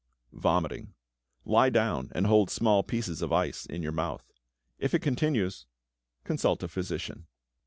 =Vomiting.= Lie down and hold small pieces of ice in your mouth. If it continues, consult a physician.